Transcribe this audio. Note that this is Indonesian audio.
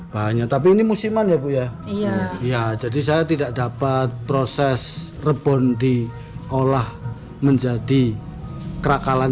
banyak tapi ini musiman ya bu ya iya jadi saya tidak dapat proses rebon diolah menjadi kerakalan